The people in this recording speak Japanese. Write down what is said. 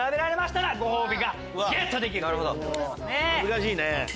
難しいね。